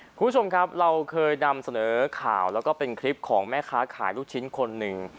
คุณผู้ชมครับเราเคยนำเสนอข่าวแล้วก็เป็นคลิปของแม่ค้าขายลูกชิ้นคนหนึ่ง